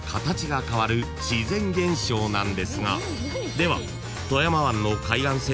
［では］